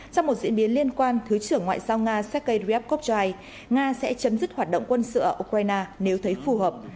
trong một diễn biến liên quan thứ trưởng ngoại giao nga sergei ryabkov cho hay nga sẽ chấm dứt hoạt động quân sự ở ukraine nếu thấy phù hợp